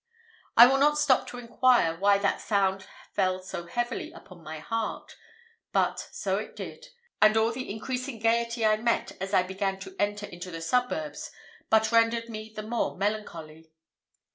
I will not stop to inquire why that sound fell so heavily upon my heart; but so it did, and all the increasing gaiety I met as I began to enter into the suburbs but rendered me the more melancholy.